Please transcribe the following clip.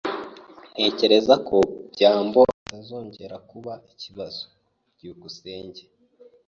Ntekereza ko byambo atazongera kuba ikibazo. byukusenge